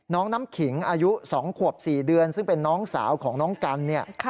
น้ำขิงอายุ๒ขวบ๔เดือนซึ่งเป็นน้องสาวของน้องกันเนี่ย